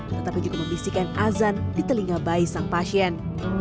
tetapi juga membisikkan azan di telinga bayi sang pasien